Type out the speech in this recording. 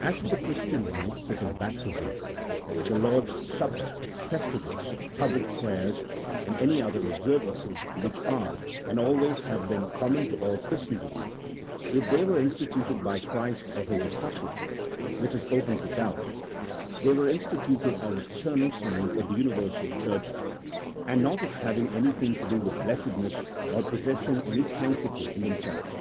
As for the Christian rites, such as baptism, the Lord's Supper, festivals, public prayers, and any other observances which are, and always have been, common to all Christen dom, if they were instituted by Christ or His Apostles (which is open to doubt), they were instituted as external signs of the universal church, and not as having anything to do with blessedness, or possessing any sanctity in them selves.